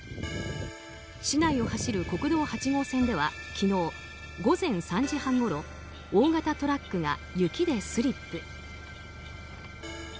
市内を走る国道８号線では昨日午前３時半ごろ大型トラックが雪でスリップ。